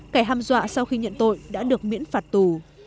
kẻ ham dọa sau khi nhận tội đã được miễn phạt tù